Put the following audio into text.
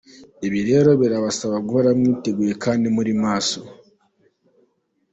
Ibi rero birabasaba guhora mwiteguye kandi muri maso.